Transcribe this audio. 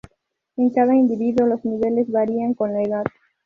En cada individuo los niveles varían con la edad.